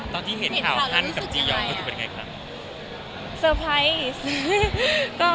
ตอนที่เห็นข่าวท่านกับจียอนคือเป็นไงค่ะ